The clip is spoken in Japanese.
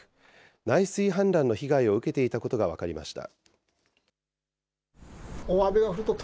内水氾濫の被害を受けていたことが分かりました。